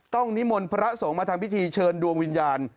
นิมนต์พระสงฆ์มาทำพิธีเชิญดวงวิญญาณ